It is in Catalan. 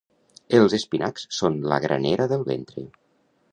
Els espinacs són la granera del ventre.